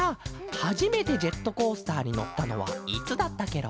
はじめてジェットコースターにのったのはいつだったケロ？